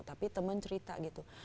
tapi temen cerita gitu